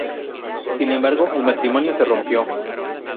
Sin embargo, el matrimonio se rompió.